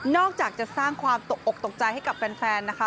อกจากจะสร้างความตกอกตกใจให้กับแฟนนะคะ